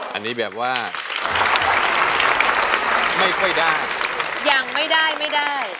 อันนี้แบบว่าไม่ค่อยได้ยังไม่ได้ไม่ได้